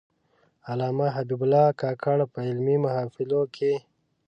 علامه حبیب الله کاکړ په علمي محافلو کې.